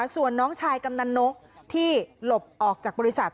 ส่วนน้องชายกำนันนกที่หลบออกจากบริษัท